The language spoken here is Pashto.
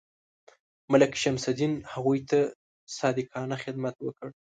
ملک شمس الدین هغوی ته صادقانه خدمت وکړ.